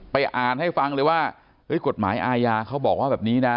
อ่านให้ฟังเลยว่ากฎหมายอาญาเขาบอกว่าแบบนี้นะ